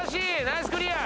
ナイスクリア！